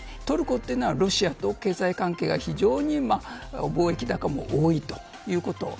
トルコというのはロシアと経済関係が非常に貿易高も多いということ。